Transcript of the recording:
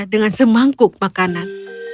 dengan semangkuk makanan